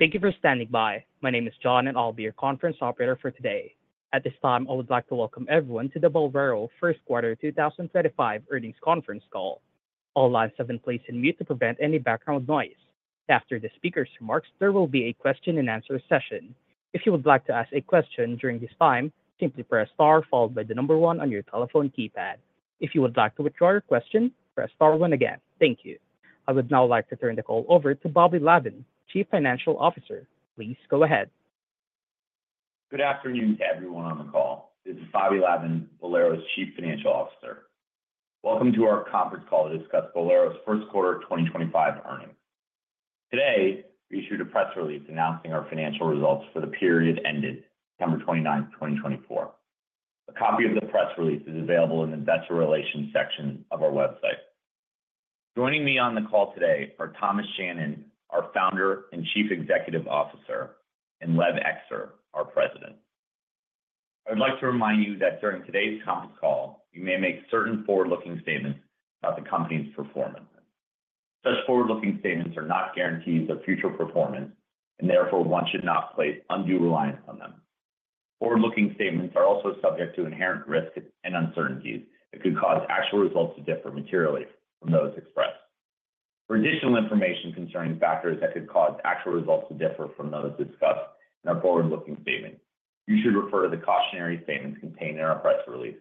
Thank you for standing by. My name is John and I'll be your conference operator for today. At this time, I would like to welcome everyone to the Bowlero first quarter 2025 earnings conference call. All lines have been placed in mute to prevent any background noise. After the speaker's remarks, there will be a question and answer session. If you would like to ask a question during this time, simply press star followed by the number one on your telephone keypad. If you would like to withdraw your question, press star one again. Thank you. I would now like to turn the call over to Bobby Lavan, Chief Financial Officer. Please go ahead. Good afternoon to everyone on the call. This is Bobby Lavan, Bowlero's Chief Financial Officer. Welcome to our conference call to discuss Bowlero's first quarter 2025 earnings. Today we issued a press release announcing our financial results for the period ended September 29, 2024. A copy of the press release is available in the Investor Relations section of our website. Joining me on the call today are Thomas Shannon, our Founder and Chief Executive Officer, and Lev Ekster, our President. I would like to remind you that during today's conference call you may make certain forward looking statements about the Company's performance. Such forward looking statements are not guarantees of future performance and therefore one should not place undue reliance on them. Forward looking statements are also subject to inherent risks and uncertainties and that could cause actual results to differ materially from those expressed. For additional information concerning factors that could cause actual results to differ from those discussed in our forward-looking statements, you should refer to the cautionary statements contained in our press release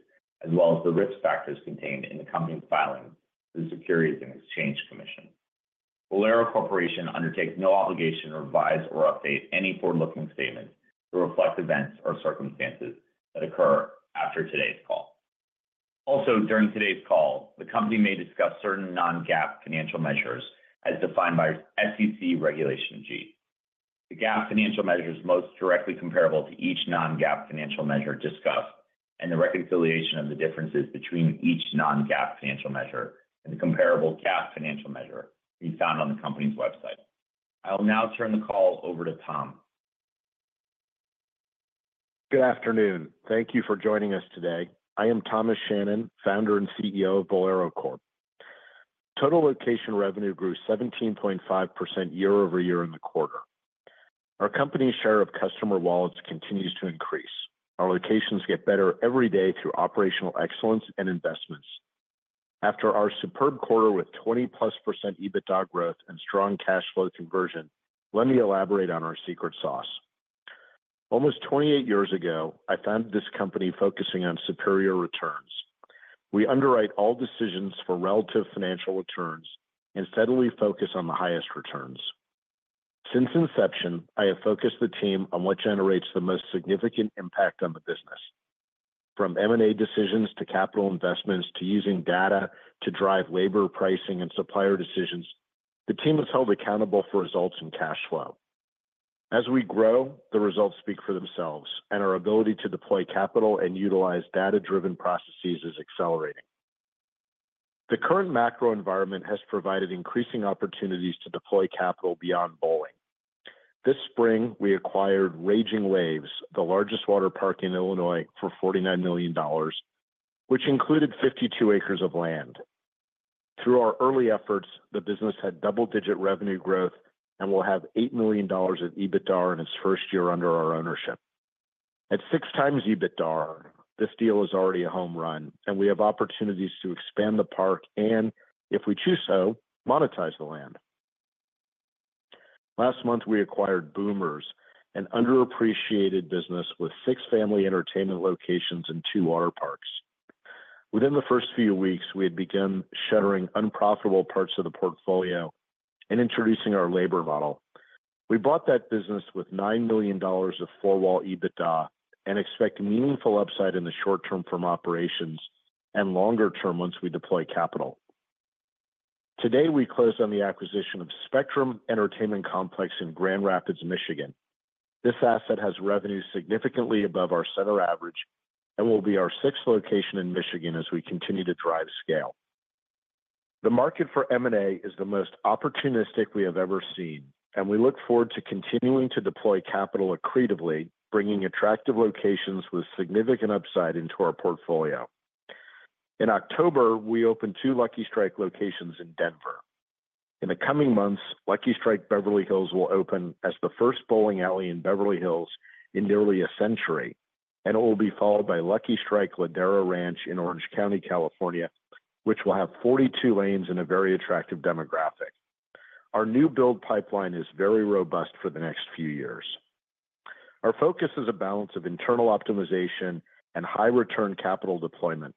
as well as the risk factors contained in the Company's filings with the Securities and Exchange Commission. Bowlero Corporation undertakes no obligation to revise or update any forward-looking statements that reflect events or circumstances that occur after today's call. Also during today's call, the Company may discuss certain non-GAAP financial measures as defined by SEC Regulation G. The GAAP financial measures most directly comparable to each non-GAAP financial measure discussed and the reconciliation of the differences between each non-GAAP financial measure and the comparable GAAP financial measure can be found on the Company's website. I will now turn the call over to Tom. Good afternoon. Thank you for joining us today. I am Thomas Shannon, founder and CEO of Bowlero Corp. Total location revenue grew 17.5% year-over-year in the quarter. Our company's share of customer wallets continues to increase. Our locations get better every day through operational excellence and investments. After our superb quarter with 20% plus EBITDA growth and strong cash flow conversion, let me elaborate on our secret sauce. Almost 28 years ago I founded this company focusing on superior returns. We underwrite all decisions for relative financial returns and steadily focus on the highest returns. Since inception, I have focused the team on what generates the most significant impact on the business. From M&A decisions to capital investments to using data to drive labor, pricing and supplier decisions, the team is held accountable for results and cash flow as we grow. The results speak for themselves and our ability to deploy capital and utilize data-driven processes is accelerating. The current macro environment has provided increasing opportunities to deploy capital beyond bowling. This spring we acquired Raging Waves, the largest water park in Illinois for $49 million which included 52 acres of land. Through our early efforts, the business had double-digit revenue growth and will have $8 million of EBITDAR in its first year under our ownership. At 6x EBITDAR, this deal is already a home run and we have opportunities to expand the park and if we choose so monetize the land. Last month we acquired Boomers, an underappreciated business with six family entertainment locations and two water parks. Within the first few weeks we had begun shuttering unprofitable parts of the portfolio and introducing our labor model. We bought that business with $9 million of Four-Wall EBITDA and expect meaningful upside in the short term from operations and longer term once we deploy capital. Today we closed on the acquisition of Spectrum Entertainment Complex in Grand Rapids, Michigan. This asset has revenue significantly above our center average and will be our sixth location in Michigan as we continue to drive scale. The market for M&A is the most opportunistic we have ever seen and we look forward to continuing to deploy capital accretively, bringing attractive locations with significant upside into our portfolio. In October, we opened two Lucky Strike locations in Denver. In the coming months, Lucky Strike Beverly Hills will open as the first bowling alley in Beverly Hills in nearly a century, and it will be followed by Lucky Strike Ladera Ranch in Orange County, California, which will have 42 lanes and a very attractive demographic. Our new build pipeline is very robust for the next few years. Our focus is a balance of internal optimization and high return capital deployment.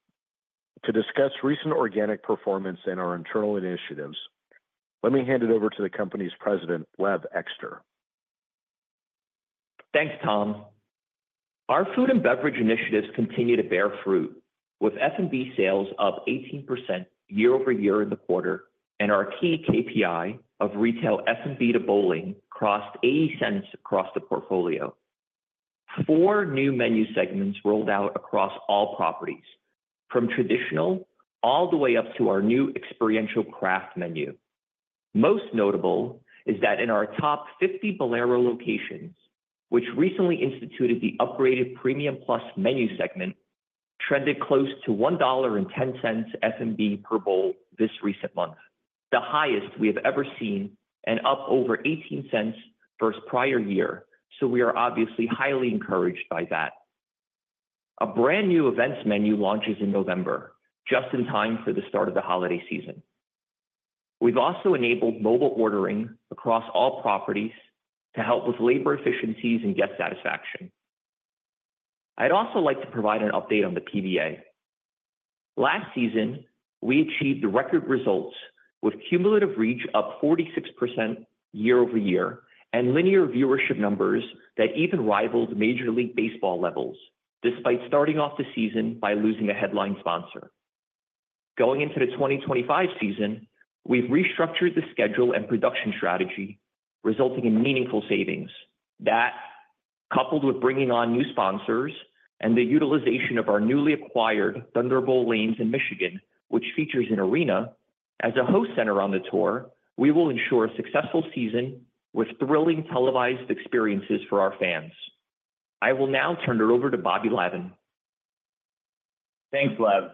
To discuss recent organic performance and our internal initiatives, let me hand it over to the company's President, Lev Ekster. Thanks Tom. Our food and beverage initiatives continue to bear fruit with F&B sales up 18% year-over-year in the quarter and our key KPI of retail F&B to bowling crossed $0.80 across the portfolio. Four new menu segments rolled out across all properties, from traditional all the way up to our new experiential craft menu. Most notable is that in our top 50 Bowlero locations, which recently instituted the upgraded Premium Plus menu segment trended close to $1.10 F&B per bowl this recent month, the highest we have ever seen and up over $0.18 versus prior year. So we are obviously highly encouraged by that. A brand new events menu launches in November, just in time for the start of the holiday season. We've also enabled mobile ordering across all properties to help with labor efficiencies and guest satisfaction. I'd also like to provide an update on the PBA. Last season we achieved the record results with cumulative reach up 46% year-over-year and linear viewership numbers that even rivaled Major League Baseball levels. Despite starting off the season by losing a headline sponsor going into the 2025 season, we've restructured the schedule and production strategy resulting in meaningful savings. That coupled with bringing on new sponsors and the utilization of our newly acquired Thunderbowl Lanes in Michigan which features an arena as a host center on the tour, we will ensure a successful season with thrilling televised experiences for our fans. I will now turn it over to Bobby Lavan. Thanks, Lev.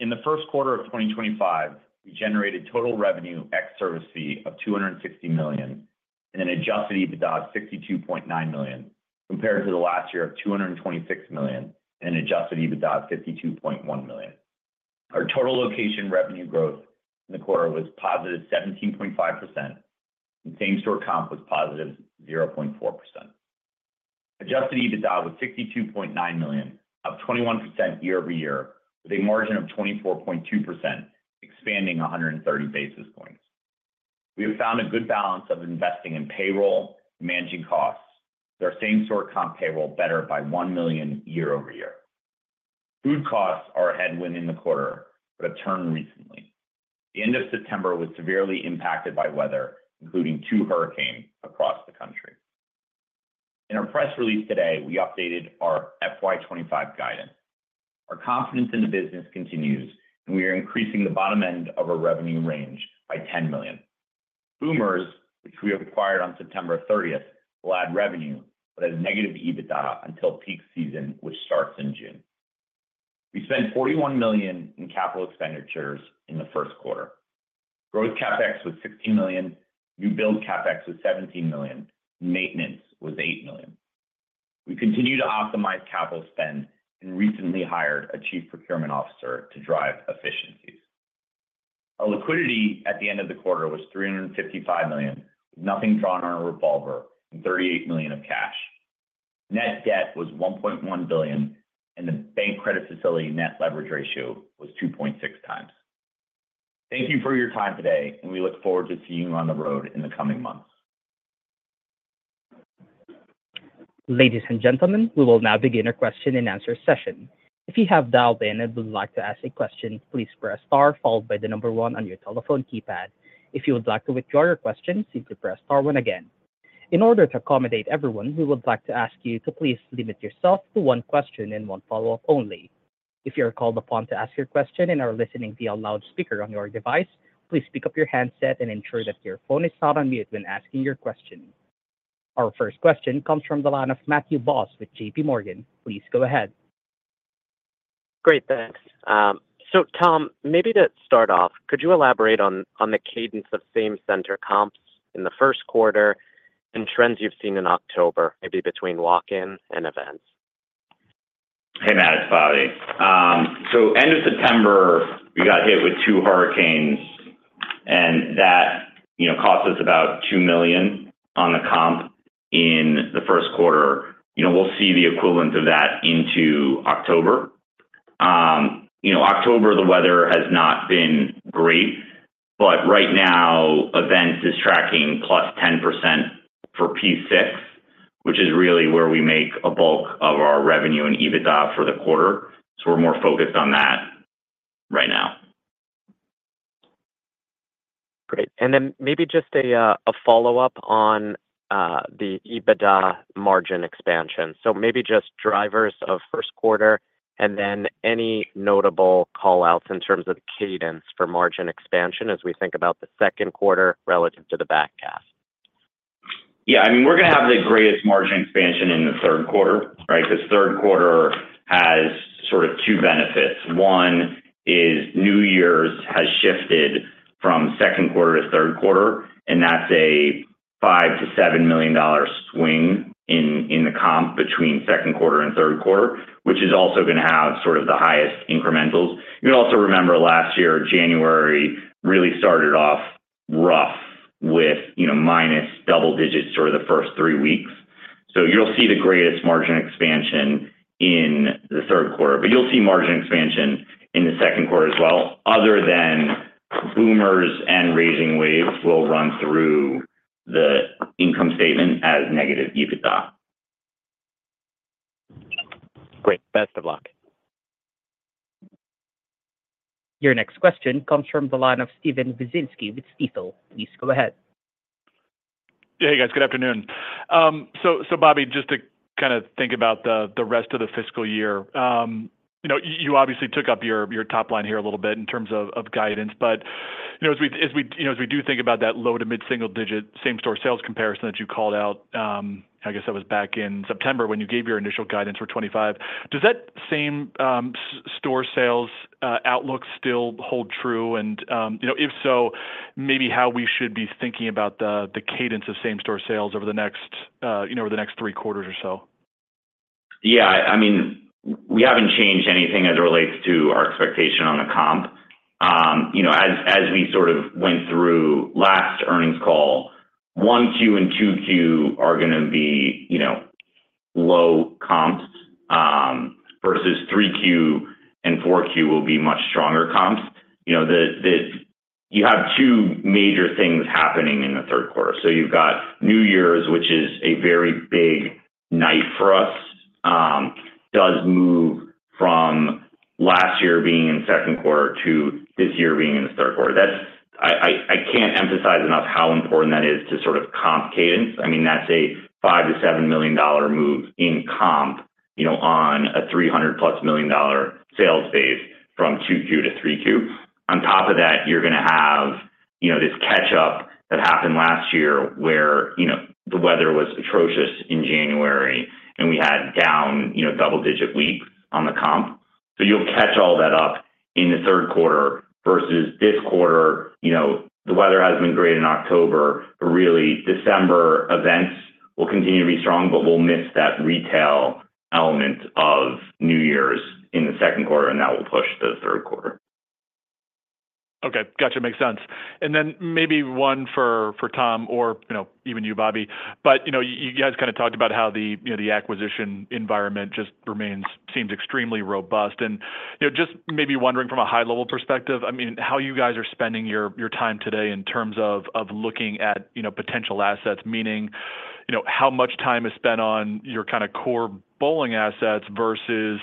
In the first quarter of 2025 we generated total revenue ex service fee of $260 million and an Adjusted EBITDA of $62.9 million compared to the last year of $226 million and Adjusted EBITDA of $52.1 million. Our total location revenue growth in the quarter was positive 17.5% and same store comp was positive 0.4%. Adjusted EBITDA was $62.9 million up 21%. Year-over-year with a margin of. 24.2% expanding 130 basis points. We have found a good balance of investing in payroll managing costs that are same-store comp payroll better by $1 million year-over-year. Food costs are a headwind in the quarter but it took a turn recently. The end of September was severely impacted by weather, including two hurricanes across the country. In our press release today, we updated our FY 2025 guidance. Our confidence in the business continues and we are increasing the bottom end of our revenue range by $10 million. Boomers, which we acquired on September 30, will add revenue but at a negative EBITDA until peak season, which starts in June. We spent $41 million in capital expenditures in the first quarter. Growth CapEx was $16 million, new build CapEx was $17 million, maintenance was $8 million. We continue to optimize capital spend and recently hired a Chief Procurement Officer to drive efficiencies. Our liquidity at the end of the quarter was $355 million, nothing drawn on a revolver and $38 million of cash. Net debt was $1.1 billion and the. Bank credit facility Net Leverage Ratio was 2.6x. Thank you for your time today and we look forward to seeing you on the road in the coming months. Ladies and gentlemen, we will now begin our question and answer session. If you have dialed in and would like to ask a question, please press star followed by the number one on your telephone keypad. If you would like to withdraw your questions, simply press star one again. In order to accommodate everyone, we would like to ask you to please limit yourself to one question and one follow up only. If you are called upon to ask your question and are listening via a loudspeaker on your device, please pick up your handset and ensure that your phone is not on mute when asking your question. Our first question comes from the line of Matthew Boss with J.P. Morgan. Please go ahead. Great, thanks. So Tom, maybe to start off, could you elaborate on the cadence of same-store comps in the first quarter and trends you've seen in October maybe between walk-in and events? Hey Matt, it's Bobby. So end of September we got hit with two hurricanes and that cost us about $2 million on the comp in the first quarter. You know we'll see the equivalent of that into October. You know October, the weather has not been great, but right now event is tracking +10% for P6, which is really where we make a bulk of our revenue and EBITDA for the quarter. So we're more focused on that right now. Great. And then maybe just a follow-up on the EBITDA margin expansion. So maybe just drivers of first quarter and then any notable call-outs in terms of the cadence for margin expansion as we think about the second quarter relative to the back half? Yeah, I mean we're going to have the greatest margin expansion in the third quarter. Right. This third quarter has sort of two benefits. One is New Year's has shifted from second quarter to third quarter and that's a $5 million-$7 million swing in the comp between second quarter and third quarter, which is also going to have sort of the highest incrementals. You also remember last year, January really started off rough with minus double digits for the first three weeks. So you'll see the greatest margin expansion in the third quarter, but you'll see margin expansion in the second quarter as well. Other than Boomers and Raging Waves will run through the income statement as negative EBITDA. Great. Best of luck. Your next question comes from the line of Steven Wieczynski with Stifel. Please go ahead. Hey guys, good afternoon. So Bobby, just to kind of think about the rest of the fiscal year, you obviously took up your top line here a little bit in terms of guidance. But as we do think about that low- to mid-single-digit same-store sales comparison that you called out, I guess that was back in September when you gave your initial guidance for 2025. Does that same-store sales outlook still hold true? And you know, if so, maybe how we should be thinking about the cadence of same-store sales over the next, you know, over the next three quarters or so. Yeah, I mean we haven't changed anything as it relates to our expectation on the comp. You know, as we sort of went through last earnings call, 1Q and 2Q are going to be, you know, low comps versus 3Q and 4Q will be much stronger comps. You have two major things happening in the third quarter. So you've got New Year's, which is a very big night for us. Does move from last year being in second quarter to this year being in the third quarter. I can't emphasize enough how important that is to sort of comp cadence. I mean that's a $5 million-$7 million move in comp, you know, on a $300+ million-dollar sales base. From 2Q to 3Q. On top of that, you're going to have this catch-up that happened last year where the weather was atrocious in January and we had down double-digit weeks on the comp. So you'll catch all that up in the third quarter versus this quarter. The weather has been great in October, but, really, December events will continue to be strong. But we'll miss that retail element of New Year's in the second quarter and that will push the third quarter. Okay, gotcha. Makes sense. Maybe one for Tom or, you know, even you, Bobby. You know, you guys kind of talked about how the, you know, the acquisition environment just remains extremely robust. You're just maybe wondering from a high level perspective, I mean, how you guys are spending your time today in terms of looking at potential assets. Meaning, you know, how much time is spent on your core bowling assets versus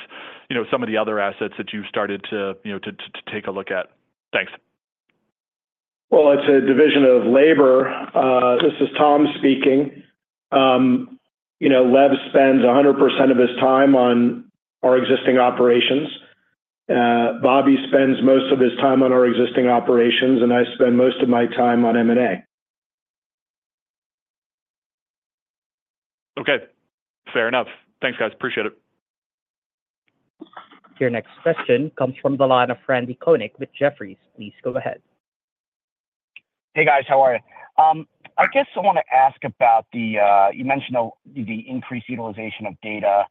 some of the other assets that you've started to take a look at. Thanks. It's a division of labor. This is Tom speaking. Lev spends 100% of his time on our existing operations. Bobby spends most of his time on our existing operations and I spend most of my time on M&A. Okay, fair enough. Thanks guys. Appreciate it. Your next question comes from the line of Randy Konik with Jefferies. Please go ahead. Hey guys, how are you? I guess I want to ask about, you mentioned the increased utilization of data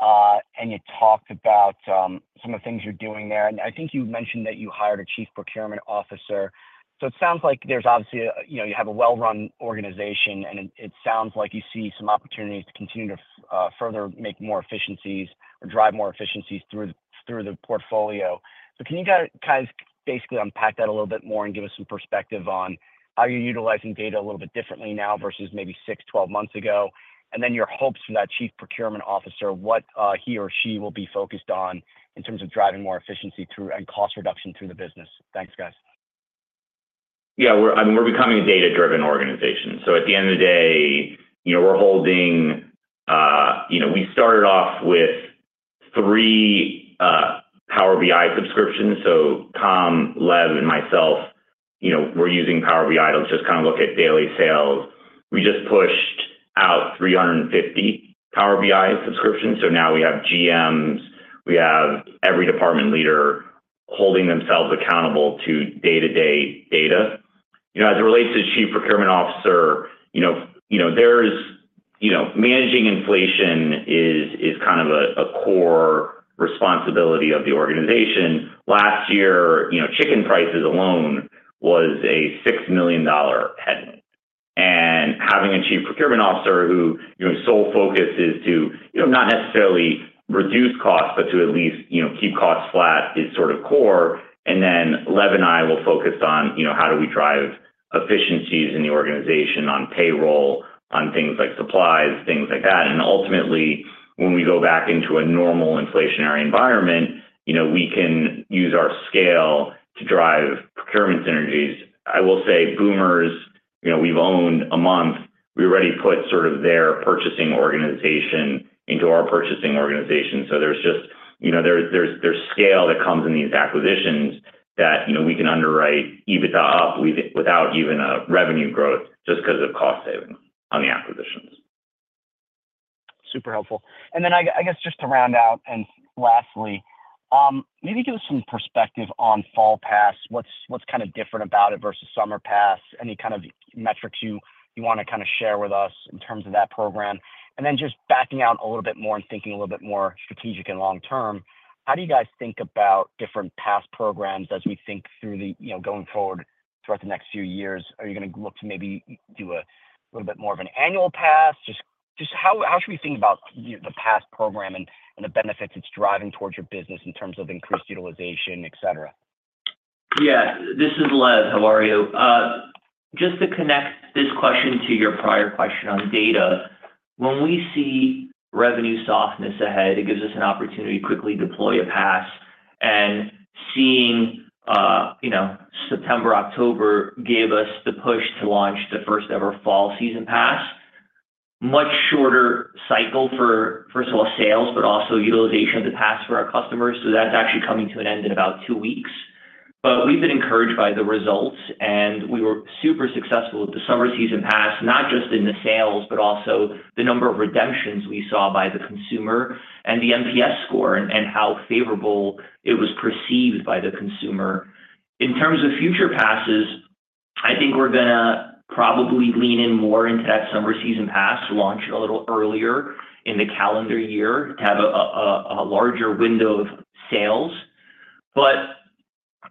and you talked about some of the things you're doing there, and I think you mentioned that you hired a chief procurement officer, so it sounds like there's obviously, you know, you have a well-run organization and it sounds like you see some opportunities to continue to further make more efficiencies or drive more efficiencies through the portfolio, but can you guys basically unpack that a little bit more and give us some perspective on how you're utilizing data a little bit differently now versus maybe six-12 months ago and then your hopes for that chief procurement officer, what he or she will be focused on in terms of driving more efficiency through and cost reduction through the business. Thanks guys. Yeah, we're becoming a data driven organization. So at the end of the day we're holding. We started off with three Power BI subscriptions. So Tom, Lev and myself, we're using Power BI to just look at daily sales. We just pushed out 350 Power BI subscriptions. So now we have GMs, we have every department leader holding themselves accountable to day to day data as it relates to chief procurement officer. Managing inflation is kind of a core responsibility of the organization. Last year, chicken prices alone was a $6 million headwind. And having a chief procurement officer whose sole focus is to not necessarily reduce costs, but to at least, you know, keep costs flat is sort of core. And then Lev and I will focus on, you know, how do we drive efficiencies in the organization on payroll, on things like supplies, things like that. Ultimately, when we go back into a normal inflationary environment, you know, we can use our scale to drive procurement synergies. I will say Boomers, you know, we've owned a month, we already put sort of their purchasing organization into our purchasing organization. There's just, you know, there's scale that comes in these acquisitions that, you know, we can underwrite EBITDA up without even a revenue growth just because of cost savings on the acquisitions. Super helpful. And then I guess just to round out and lastly, maybe give us some perspective on Fall Pass. What's kind of different about it versus summer pass, any kind of metrics you want to kind of share with us in terms of that program and then just backing out a little bit more and thinking a little bit more strategic and long term. How do you guys think about different pass programs? As we think through, you know, going forward throughout the next few years, are you going to look to maybe. Do a little bit more of an annual pass? Just. Just how should we think about the pass program and the benefits it's driving towards your business in terms of increased utilization, et cetera? Yeah, this is Lev. How are you? Just to connect this question to your prior question on data. When we see revenue softness ahead, it gives us an opportunity to quickly deploy a pass, and seeing, you know, September, October gave us the push to launch the first ever Fall Season Pass. Much shorter cycle for first of all, sales, but also utilization of the pass for our customers, so that's actually coming to an end in about two weeks, but we've been encouraged by the results and we were super successful with the Summer Season Pass, not just in the sales, but also the number of redemptions we saw by the consumer and the NPS score and how favorable it was perceived by the consumer in terms of future passes. I think we're going to probably lean in more into that Summer Season Pass launch a little earlier in the calendar year to have a larger window of sales. But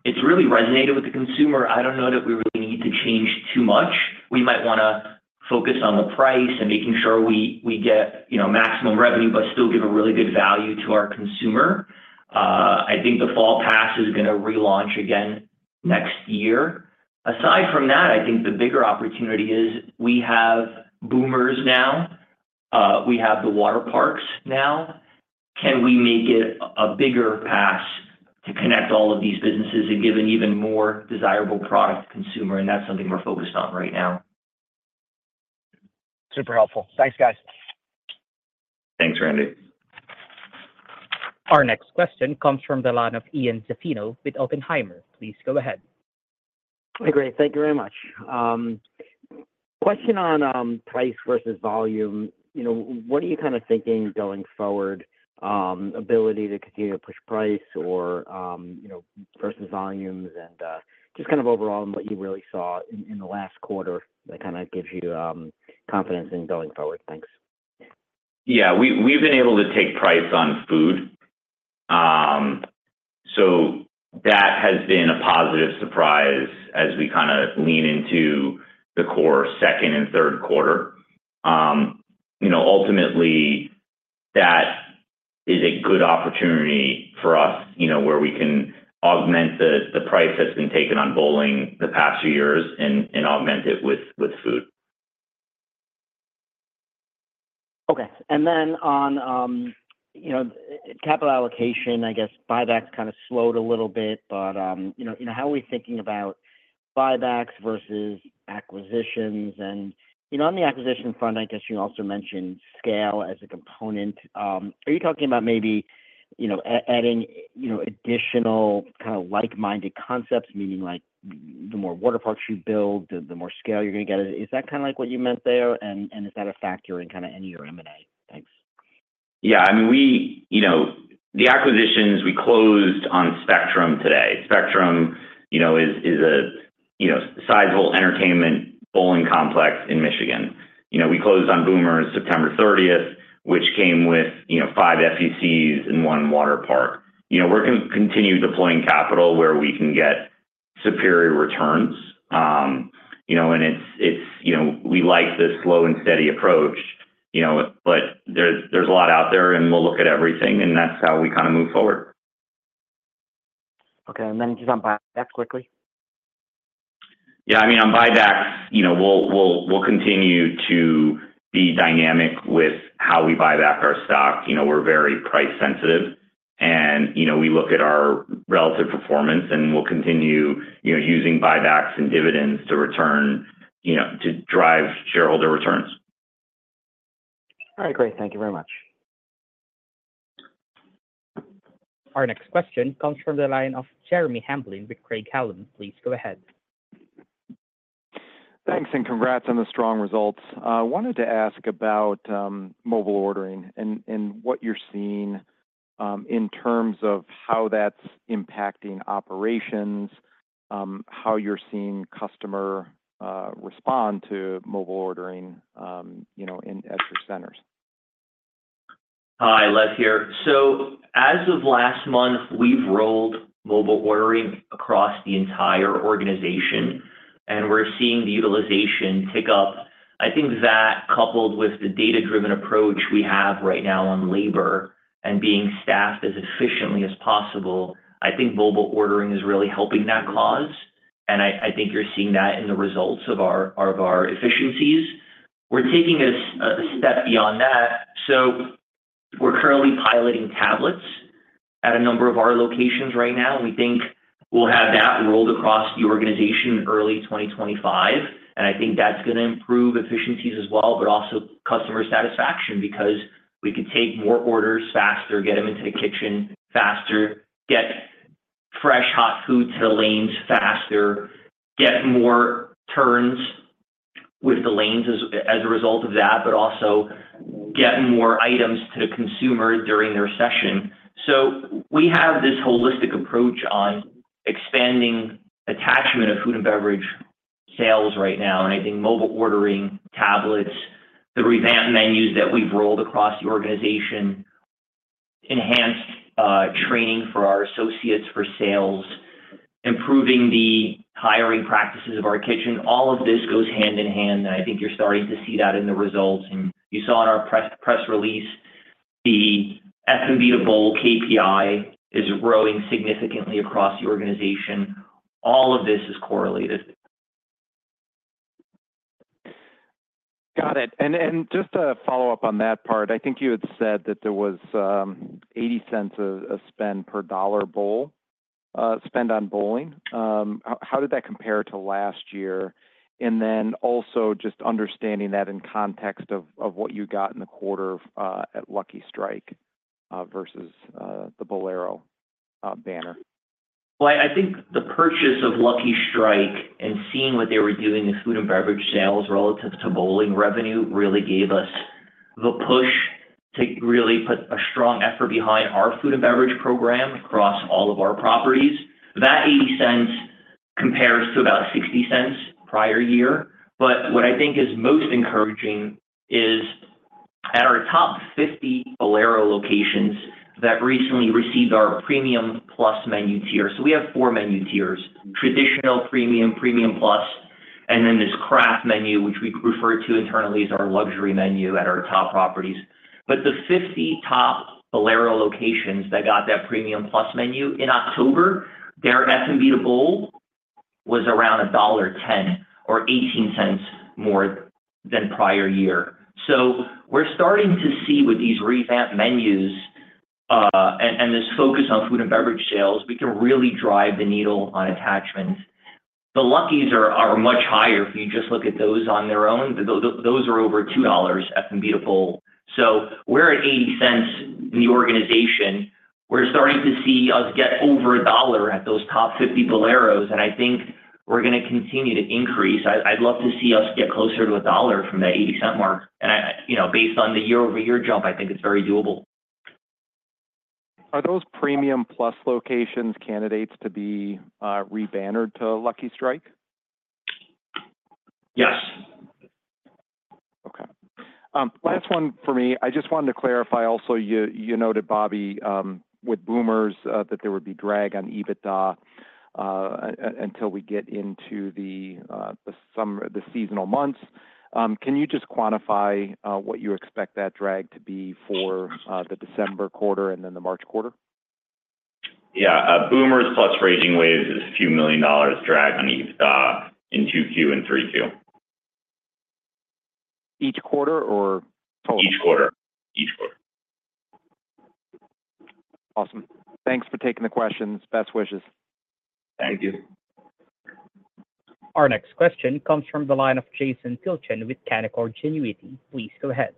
it's really resonated with the consumer. I don't know that we really need to change too much. We might want to focus on the price and making sure we get, you know, maximum revenue, but still give a really good value to our consumer. I think the Fall Pass is going to relaunch again next year. Aside from that, I think the bigger opportunity is we have Boomers now, we have the water parks now. Can we make it a bigger pass to connect all of these businesses and give an even more desirable product to consumer? And that's something we're focused on right now. Super helpful. Thanks, guys. Thanks, Randy. Our next question comes from the line of Ian Zaffino with Oppenheimer. Please go ahead. Great. Thank you very much. Question on price versus volume. You know, what are you kind of thinking going forward? Ability to continue to push price or, you know, versus volumes and just kind of overall and what you really saw in the last quarter, that kind of gives you confidence in going forward. Thanks. Yeah, we've been able to take price on food, so that has been a positive surprise as we kind of lean into the core second and third quarter. You know, ultimately that is a good opportunity for us, you know, where we can augment the price that's been taken on bowling the past few years and augment. It with food. Okay. And then on, you know, capital allocation, I guess buybacks kind of slowed a little bit. But you know, how are we thinking about buybacks versus acquisitions? And you know, on the acquisition front, I guess you also mentioned scale as a component. Are you talking about maybe, you know, adding, you know, additional kind of like minded concepts? Meaning like the more water parks you. Build, the more scale you're going to get. Is that kind of like what you meant there, and is that a factor in kind of any of your M&A? Thanks. Yeah, I mean we, you know, the acquisitions we closed on Spectrum today. Spectrum, you know, is a sizable entertainment bowling complex in Michigan. You know, we closed on Boomers September 30th, which came with five FECs and one water park. You know, we're going to continue deploying capital where we can get superior returns, you know, and it's, you know, we like this slow and steady approach, you know, but there's a lot out there and we'll look at everything and that's how we kind of move forward. Okay. And then, just on buyback quickly. Yeah, I mean, on buybacks, you know, we'll continue to be dynamic with how we buy back our stock. You know, we're very price sensitive and, you know, we look at our relative performance and we'll continue, you know, using buybacks and dividends to return, you know, to drive shareholder returns. All right, great. Thank you very much. Our next question comes from the line of Jeremy Hamblin with Craig-Hallum. Please go ahead. Thanks. And congrats on the strong results. I wanted to ask about mobile ordering and what you're seeing in terms of how that's impacting operations, how you're seeing customer respond to mobile ordering, you know, in our centers. Hi, Lev here. So as of last month, we've rolled mobile ordering across the entire organization and we're seeing the utilization tick up. I think that coupled with the data driven approach we have right now on labor and being staffed as efficiently as possible, I think mobile ordering is really helping that cause. And I think you're seeing that in the results of our efficiencies. We're taking a step beyond that. So we're currently piloting tablets at a number of our locations right now. We think we'll have that rolled across the organization in early 2025 and I think that's going to improve efficiencies as well, but also customer satisfaction because we could take more orders faster, get them into the kitchen faster, get fresh hot food to the lanes faster, get more turns with the lanes as a result of that, but also get more items to the consumer during their session. So we have this holistic approach on expanding attachment of food and beverage sales right now. And I think mobile ordering tablets, the revamp menus that we've rolled across the organization, enhanced training for our associates for sales, improving the hiring practices of our kitchen, all of this goes hand in hand. And I think you're starting to see that in the results. And you saw in our press release, the F&B to bowl KPI is growing significantly across the organization. All of this is correlated. Got it. Just to follow up on that part, I think you had said that there was $0.80 spend per $1 bowling spend on bowling. How did that compare to last year? Then also just understanding that in context of what you got in the quarter at Lucky Strike versus Bowlero. Banner, I think the purchase of Lucky Strike and seeing what they were doing in food and beverage sales relative to bowling revenue really gave the push to really put a strong effort behind our food and beverage program. Across all of our properties, that $0.80 compares to about $0.60 prior year. But what I think is most encouraging is at our top 50 Bowlero locations that recently received our Premium Plus menu tier. So we have four menu tiers. Traditional premium, Premium Plus and then this craft menu, which we refer to internally as our luxury menu at our top properties. But the 50 top Bowlero locations that got that Premium Plus menu in October, their F&B to bowl was around $1.10 or $0.18 more than prior year. So we're starting to see with these revamped menus and this focus on food and beverage sales, we can really drive the needle on attachments. The Luckies are much higher. If you just look at those on their own, those are over $2 per head at both. So we're at $0.80 in the organization. We're starting to see us get over $1 at those top 50 Bowleros. And I think we're going to continue to increase. I'd love to see us get closer to $1 from that $0.80 mark. And based on the year-over-year jump, I think it's very doable. Are those Premium Plus locations candidates to be rebannered to Lucky Strike? Yes. Okay, last one for me. I just wanted to clarify also you noted, Bobby, with Boomers that there would be drag on EBITDA until we get into the seasonal months. Can you just quantify what you expect that drag to be for the December quarter and then the March quarter? Yeah. Boomers plus Raging Waves is a few million dollars drag on EBITDA in 2Q and 3Q. Each quarter or each quarter? Each quarter. Awesome. Thanks for taking the questions. Best wishes. Thank you. Our next question comes from the line of Jason Tilchin with Canaccord Genuity. Please go ahead.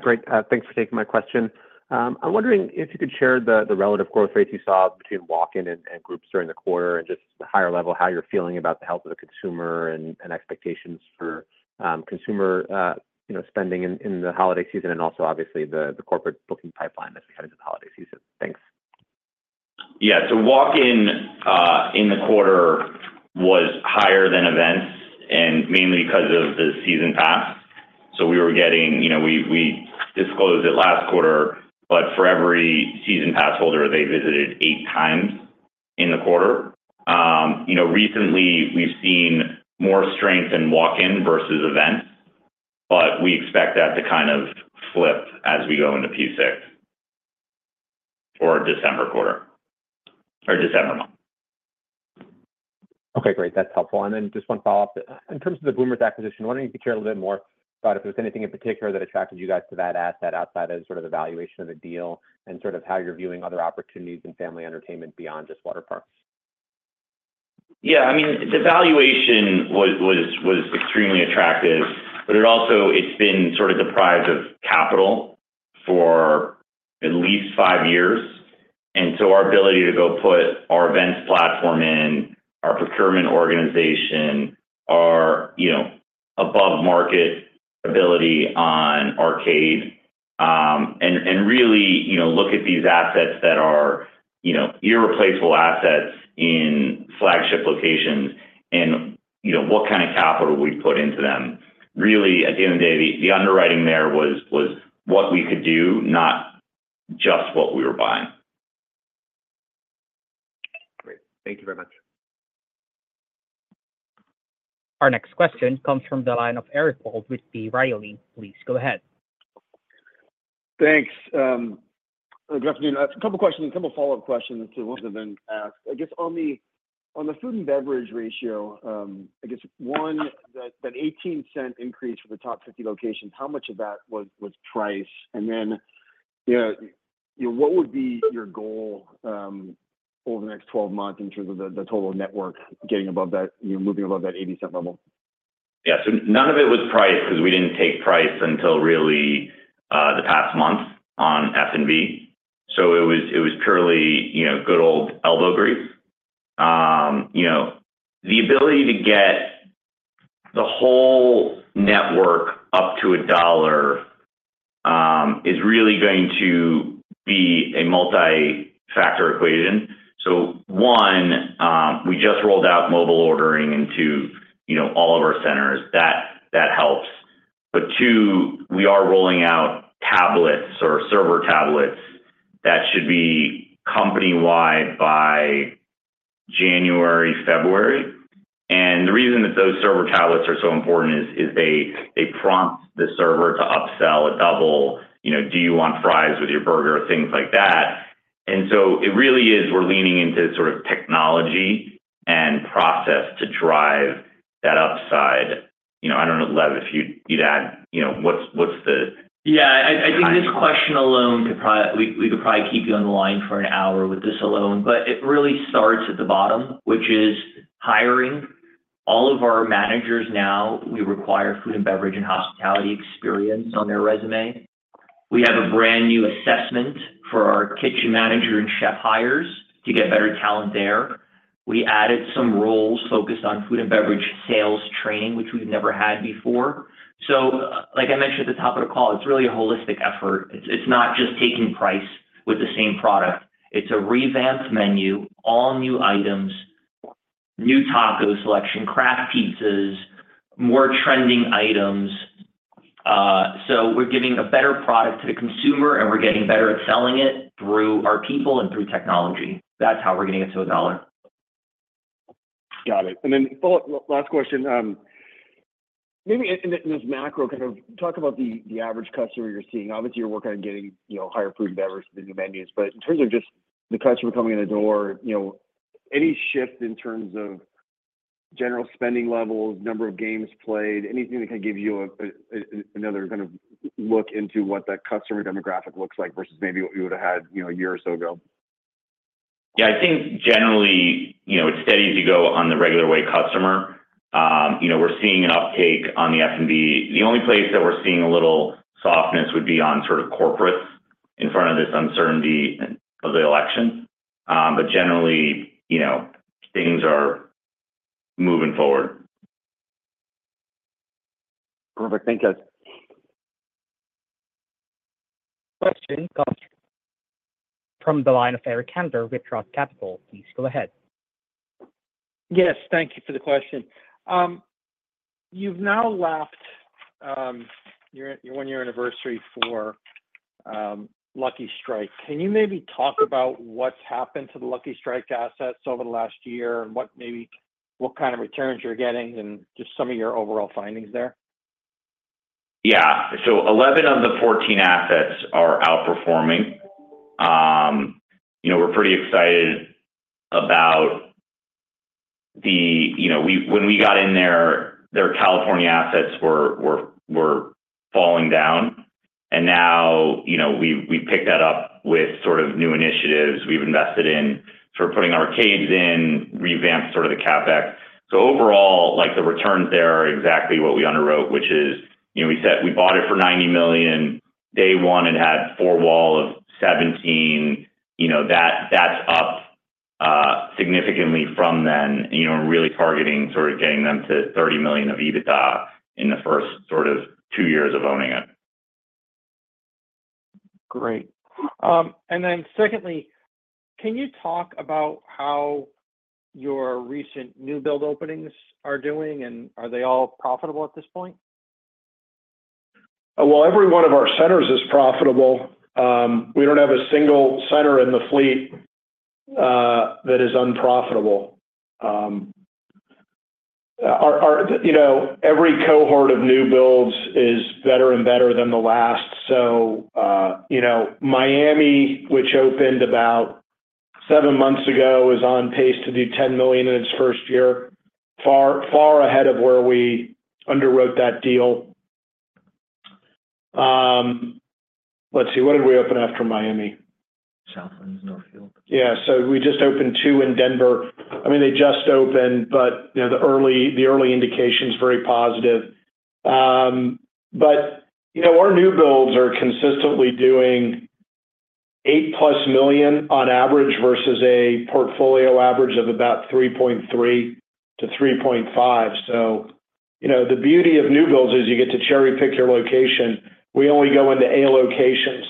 Great. Thanks for taking my question. I'm wondering if you could share the relative growth rates you saw between walk in and groups during the quarter and just the higher level, how you're feeling about the health of the consumer and expectations for consumer spending in the holiday season and also obviously the corporate booking pipeline as we head into the holiday season? Thanks. Yeah, the walk-in in the quarter was higher than events and mainly because of the season pass. So we were getting, you know, we disclosed it last quarter but for every season pass holder they visited eight times in the quarter. You know, recently we've seen more strength in walk-in versus events but we expect that to kind of flip as we go into P6 for December quarter or December month. Okay, great, that's helpful. And then just one follow up. In terms of the Boomers acquisition, why don't you share a little bit more thought if there was anything in particular that attracted you guys to that asset outside of sort of the valuation of the deal and sort of how you're viewing other opportunities in family entertainment beyond just water parks. Yeah, I mean, the valuation was extremely attractive, but it also, it's been sort of deprived of capital for at least five years. And so our ability to go put our events platform in, our procurement organization, our above-market ability on arcade, and really look at these assets that are irreplaceable assets in flagship locations, and what kind of capital we put into them. Really, at the end of the day, the underwriting there was what we could do, not just what we were buying. Great, thank you very much. Our next question comes from the line of Eric Wold with B. Riley. Please go ahead. Thanks. Good afternoon. A couple questions, a couple follow up. Questions to one of them I guess on the food and beverage ratio. I guess one, that $0.18 increase for the top 50 locations, how much of that was price? And then. What would be your goal over the next 12 months in terms of the total network getting above that? Moving above that $0.80 level. Yeah. So none of it was priced because we didn't take price until really the past month on F&B. So it was purely good old elbow grease. The ability to get the whole network. Up to $1 is really going to be a multi-factor equation. So one, we just rolled out mobile ordering into, you know, all of our centers. That helps. But two, we are rolling out tablets or server tablets that should be company-wide by January, February. And the reason that those server tablets are so important is they prompt the server to upsell a double, you know, do you want fries with your burger? Things like that. And so it really is, we're leaning into sort of technology and process to drive that upside. You know, I don't know Lev, if you'd add, you know, what's the. Yeah, I think this question alone could probably, we could probably keep you on the line for an hour with this alone. But it really starts at the bottom, which is hiring all of our managers. Now we require food and beverage and hospitality experience on their resume. We have a brand new assessment for our kitchen manager and chef hires to get better talent there. We added some roles focused on food and beverage sales training, which we've never had before. So like I mentioned at the top of the call, it's really a holistic effort. It's not just taking price with the same product. It's a revamped menu, all new items, new taco selection, craft pizzas, more trending items. So we're giving a better product to the consumer and we're getting better at selling it through our people and through technology. That's how we're getting into a dollar. Got it. Last question, maybe in this. Macro kind of talk about the average. Customer you're seeing, obviously you're working on. Getting higher food and beverage orders, the new menus, but in terms of just the customer. Coming in the door, any shift in. Terms of general spending levels, number of games played, anything that can give you. Another kind of look into what that customer demographic looks like versus maybe what you would have had a year or so ago. Yeah, I think generally it's steady as you go on the regular way customer. We're seeing an uptake on the F&B. The only place that we're seeing a little softness would be on sort of corporates in front of this uncertainty of the election. But generally, you know, things are moving forward. Perfect, thank you. Question comes from the line of Eric Handler with Roth MKM. Please go ahead. Yes, thank you for the question. You've now left your one-year anniversary for Lucky Strike. Can you maybe talk about what's happened to the Lucky Strike assets over the last year and what kind of returns you're getting and just some. Of your overall findings there? Yeah, so 11 of the 14 assets are outperforming. You know, we're pretty excited about the, you know, when we got in there their California assets were falling down. And now, you know, we pick that up with sort of new initiatives. We've invested in sort of putting arcades in, revamped sort of the CapEx. So overall like the returns there are exactly what we underwrote which is, you know we said we bought it for $90 million day one and had four-wall of $17 million. You know that that's up significantly from then, you know, really targeting sort of getting them to $30 million of EBITDA in the first sort of two years of owning it. Great. And then secondly, can you talk about how your recent new build openings are doing and are they all profitable at this point? Every one of our centers is profitable. We don't have a single center in the fleet that is unprofitable. You know, every cohort of new builds is better and better than the last. So you know, Miami, which opened about seven months ago is on pace to do $10 million in its first year, far, far ahead of where we underwrote that deal. Let's see, what did we open after Miami? Yeah, so we just opened two in Denver. I mean they just opened but you know, the early, the early indications, very positive. But you know our new builds are consistently doing eight plus million on average versus a portfolio average of about $3.3 million-$3.5 million. So you know, the beauty of new builds is you get to cherry pick your location. We only go into a locations.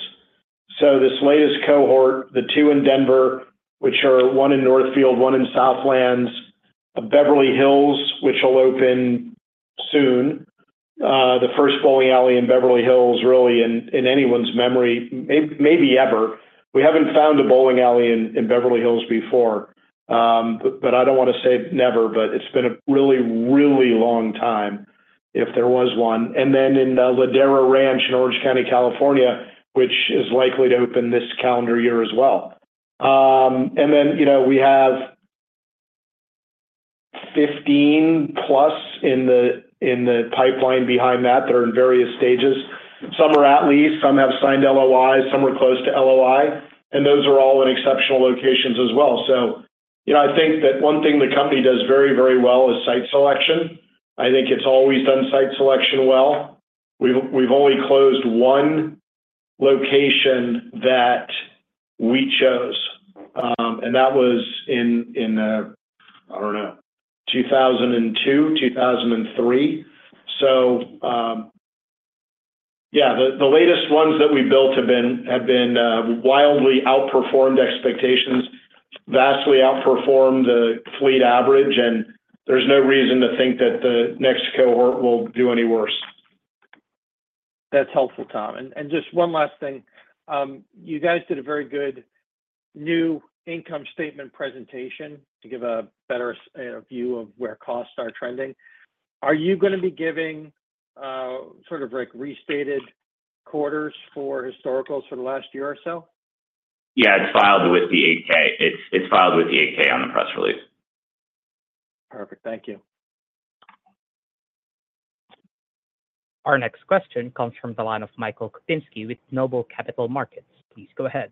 So this latest cohort, the two in Denver, which are one in Northfield, one in Southlands, Beverly Hills which will open soon. The first bowling alley in Beverly Hills, really in anyone's memory, maybe ever. We haven't found a bowling alley in Beverly Hills before but I don't want to say never, but it's been a really, really long time if there was one. And then in Ladera Ranch in Orange County, California which is likely to open this calendar year as well. And then you know, we have. 15 Plus, in the pipeline behind that are in various stages. Some are leased, some have signed LOIs, some are close to LOI, and those are all in exceptional locations as well. So, you know, I think that one thing the company does very, very well is site selection. I think it's always done site selection well. We've only closed one location that we chose, and that was in, I don't know, 2002, 2003. So. Yeah, the latest ones that we built have been wildly outperformed expectations, vastly outperformed the fleet average, and there's no reason to think that the next cohort will do any worse. That's helpful, Tom. And just one last thing. You guys did a very good job. Income statement presentation to give a better view of where costs are trending. Are you going to be giving sort of like restated quarters for historicals for the last year or so? Yeah, it's filed with the 8-K. It's filed with the 8-K on the press release. Perfect. Thank you. Our next question comes from the line of Michael Kupinski with Noble Capital Markets. Please go ahead.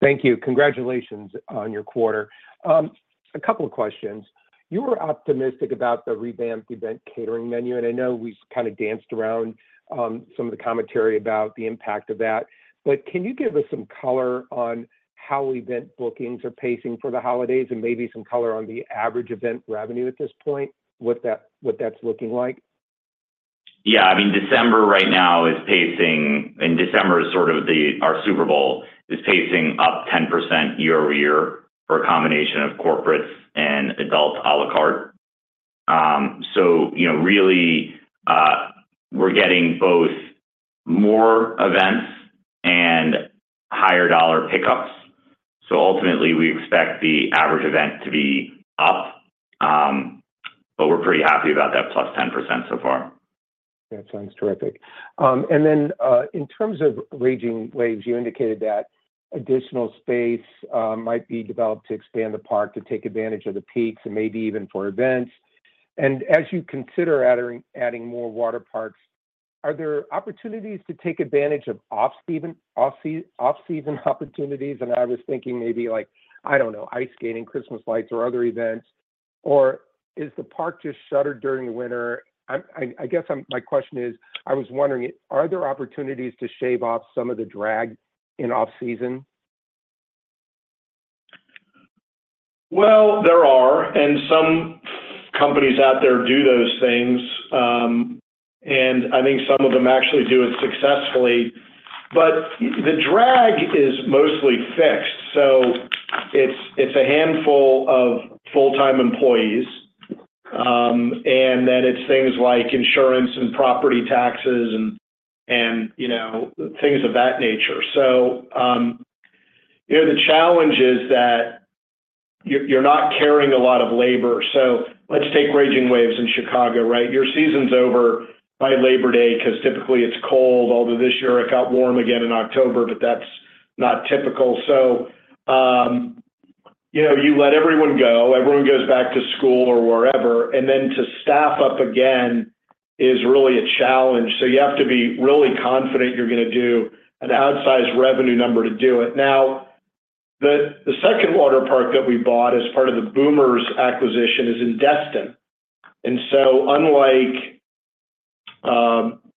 Thank you. Congratulations on your quarter. A couple of questions. You were optimistic about the revamped event catering menu, and I know we kind of danced around some of the commentary about the impact of that, but can you give us some color on how event bookings are pacing for the holidays and maybe some color on the average event revenue at this point? What that's looking like? Yeah, I mean, December right now is pacing. December is sort of our Super Bowl, pacing up 10% year over year for a combination of corporates and adult à la carte. So, you know, really we're getting both more events and higher-dollar pickups. So ultimately we expect the average event to be up, but we're pretty happy about that plus 10% so far. That sounds terrific. And then in terms of Raging Waves, you indicated that additional space might be developed to expand the park to take advantage of the peaks and maybe even for events. And as you consider adding more water parks, are there opportunities to take advantage of off season opportunities? And I was thinking maybe like, I don't know, ice skating, Christmas lights or other events, or is the park just shuttered during the winter? I guess my question is, I was wondering, are there opportunities to shave off some of the drag in off season? There are, and some companies out there do those things and I think some of them actually do it successfully. But the drag is mostly fixed. So it's a handful of full-time employees and then it's things like insurance and property taxes and things of that nature. So the challenge is that you're not carrying a lot of labor. So let's take Raging Waves in Chicago. Your season's over by Labor Day because typically it's cold. Although this year it got warm again in October. But that's not typical. So, you know, you let everyone go. Everyone goes back to school or wherever and then to staff up again is really a challenge. So you have to be really confident you're going to do an outsized revenue number to do it. Now the second water park that we bought as part of the Boomers acquisition is in Destin. And so unlike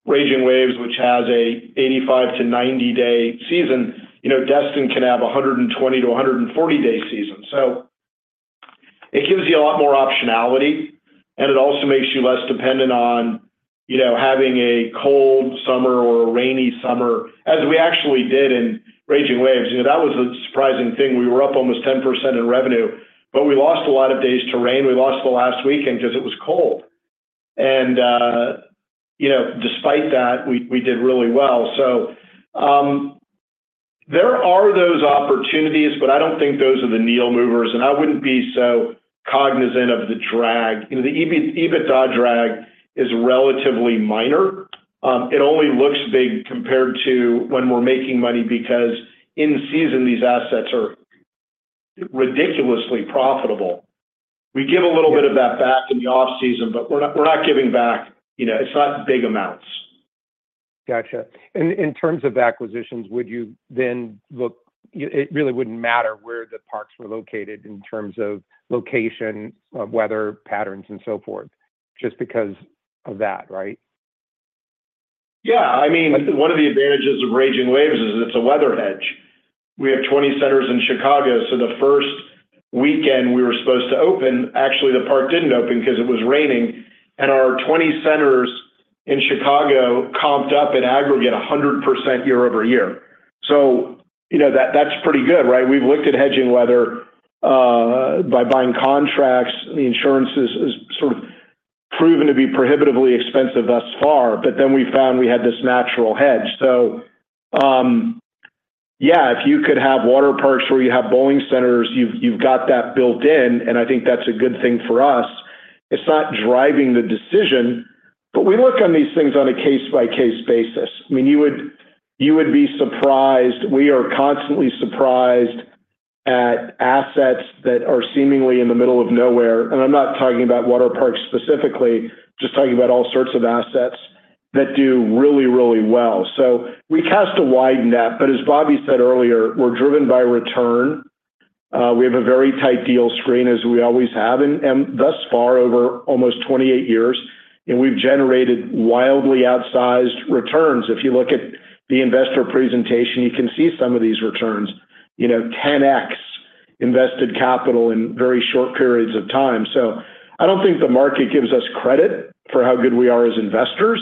Raging Waves, which has an 85 day-90 day season, Destin can have 120 day-140 day season. So it gives you a lot more optionality and it also makes you less dependent on having a cold summer or a rainy summer as we actually did in Raging Waves. That was a surprising thing. We were up almost 10% in revenue, but we lost a lot of days to rain. We lost the last weekend because it was cold. And despite that we did really well. So. There are those opportunities, but I don't think those are the needle movers and I wouldn't be so cognizant of the drag. The EBITDA drag is relatively minor. It only looks big compared to when we're making money because in season these assets are ridiculously profitable. We give a little bit of that back in the off season, but we're not, we're not giving back. You know, it's not big amounts. Gotcha. In terms of acquisitions, look, it really wouldn't matter where the parks were located in terms of location, weather patterns and so forth just because of that, right? Yeah. I mean one of the advantages of Raging Waves is it's a weather hedge. We have 20 centers in Chicago, so the first weekend we were supposed to open, actually the park didn't open because it was raining, and our 20 centers in Chicago comped up in aggregate 100% year over year. So you know, that's pretty good, right. We've looked at hedging weather by buying contracts. The insurance is sort of proven to be prohibitively expensive thus far, but then we found we had this natural hedge. So. Yeah, if you could have water parks where you have bowling centers, you've got that built in. And I think that's a good thing for us. It's not driving the decision. But we look on these things on a case-by-case basis. I mean, you would be surprised. We are constantly surprised at assets that are seemingly in the middle of nowhere. And I'm not talking about water parks specifically, just talking about all sorts of assets that do really, really well. So we cast a wide net. But as Bobby said earlier, we're driven by return. We have a very tight deal screen as we always have and thus far over almost 28 years and we've generated wildly outsized returns. If you look at the investor presentation, you can see some of these returns 10x invested capital in very short periods of time. So I don't think the market gives us credit for how good we are as investors.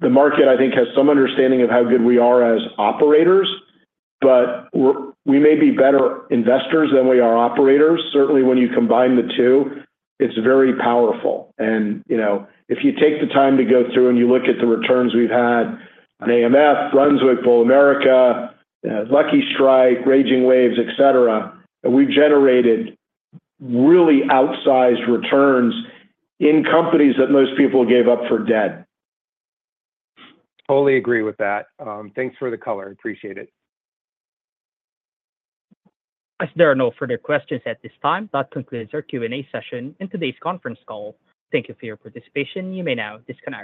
The market, I think, has some understanding of how good we are as operators, but we may be better investors than we are operators. Certainly when you combine the two, it's very powerful. And if you take the time to go through and you look at the returns we've had on AMF, Brunswick, Bowl America, Lucky Strike, Raging Waves, et cetera, and we've generated really outsized returns in companies that most people gave up for dead. Totally agree with that. Thanks for the color. Appreciate it. As there are no further questions at this time, that concludes our Q and A session in today's conference call. Thank you for your participation. You may now disconnect.